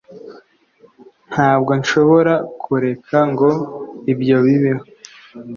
ntabwo nshobora kureka ngo ibyo bibeho